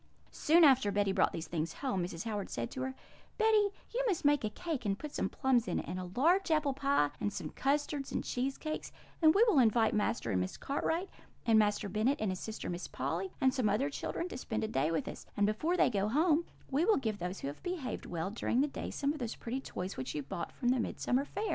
Soon after Betty brought these things home, Mrs. Howard said to her: 'Betty, you must make a cake and put some plums in it, and a large apple pie, and some custards and cheesecakes; and we will invite Master and Miss Cartwright, and Master Bennet and his sister Miss Polly, and some other children, to spend a day with us; and before they go home, we will give those who have behaved well during the day some of those pretty toys which you brought from the Midsummer Fair.'